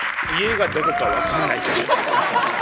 家がどこか分かんないけど。